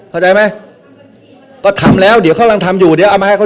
เข้าใจไหมก็ทำแล้วเดี๋ยวเขากำลังทำอยู่เดี๋ยว